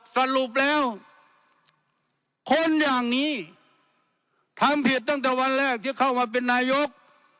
สรุปแล้วคนอย่างนี้ทำผิดตั้งแต่วันแรกที่เข้ามาเป็นนายก